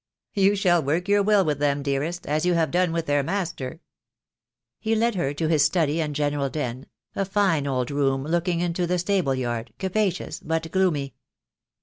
"You shall work your will with them, dearest, as you have done with their master." He led her to his study and general den, a tine old room looking into the stable yard, capacious, but gloomy.